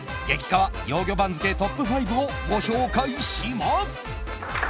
カワ幼魚番付トップ５をご紹介します。